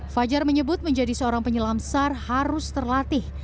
fajar menyebut menjadi seorang penyelam sar harus terlatih